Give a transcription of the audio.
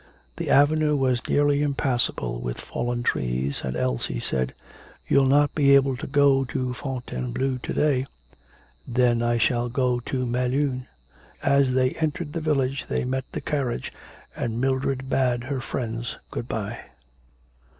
The avenue was nearly impassable with fallen trees, and Elsie said: 'You'll not be able to go to Fontainebleau to day.' 'Then I shall go to Melun.' As they entered the village they met the carriage, and Mildred bade her friends good bye.